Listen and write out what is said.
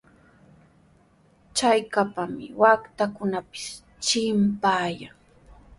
Chakapami waatakunapis chimpayan.